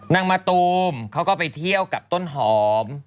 มะตูมเขาก็ไปเที่ยวกับต้นหอม